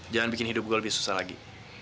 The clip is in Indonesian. jangan bikin hidup gue lebih susah lagi